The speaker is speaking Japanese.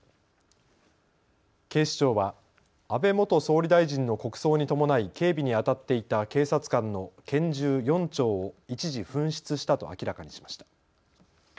警視庁は安倍元総理大臣の国葬に伴い警備にあたっていた警察官の拳銃４丁を一時、紛失したと明らかにしました。